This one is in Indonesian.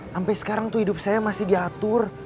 sampai sekarang tuh hidup saya masih diatur